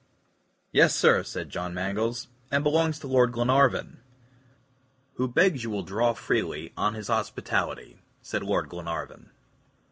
"Yes, sir," said John Mangles, "and belongs to Lord Glenarvan." "Who begs you will draw freely on his hospitality," said Lord Glenarvan.